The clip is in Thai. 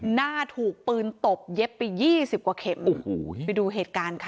หน้าถูกปืนตบเย็บไปยี่สิบกว่าเข็มโอ้โหไปดูเหตุการณ์ค่ะ